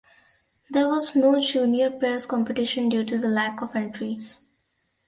There was no junior pairs competition due to the lack of entries.